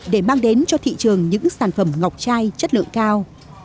để mang đến cho thị trường những sản phẩm ngọc chai chất lượng cao